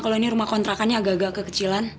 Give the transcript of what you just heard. kalau ini rumah kontrakannya agak agak kekecilan